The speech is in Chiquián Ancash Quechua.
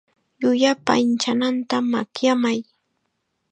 Llullupa inchananta makyamay.